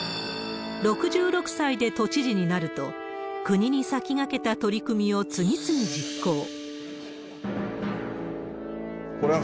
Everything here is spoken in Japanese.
６６歳で都知事になると、国に先駆けた取り組みを次々実行。